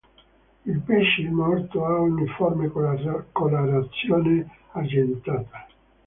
Il pesce morto ha uniforme colorazione argentata.